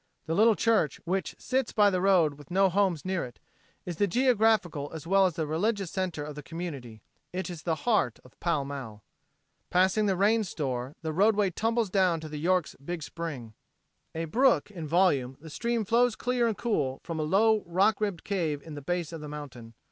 The little church, which sits by the road with no homes near it, is the geographical as well as the religious center of the community it is the heart of Pall Mall. Passing the Rains store the roadway tumbles down to the York's big spring. A brook in volume the stream flows clear and cool from a low rock ribbed cave in the base of the mountain.